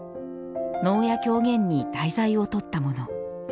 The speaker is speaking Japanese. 能や狂言に題材をとったもの。